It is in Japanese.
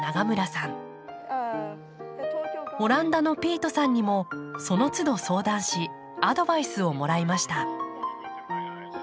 オランダのピートさんにもそのつど相談しアドバイスをもらいました。